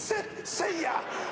せいや。